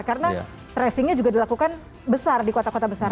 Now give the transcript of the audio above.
karena tracingnya juga dilakukan besar di kota kota besar